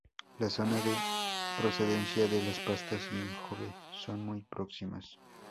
La zona de procedencia de las pastas y engobe son muy próximas.